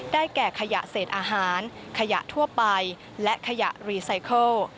แก่ขยะเศษอาหารขยะทั่วไปและขยะรีไซเคิล